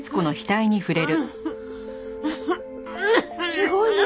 すごい熱！